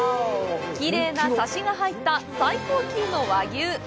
きれいなサシが入った最高級の和牛。